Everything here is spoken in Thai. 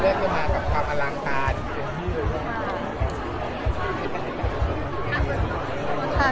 ยังอยู่มากับความอลังการ